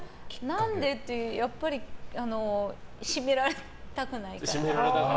何でってやっぱり締められたくないから。